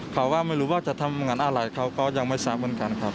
เขาก็ไม่รู้ว่าจะทำงานอะไรเขาก็ยังไม่ทราบเหมือนกันครับ